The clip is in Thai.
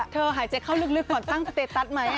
เธอหายเจ็บเข้าลึกก่อนตั้งเตตัสไหม